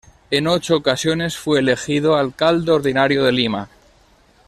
En ocho ocasiones fue elegido alcalde ordinario de Lima.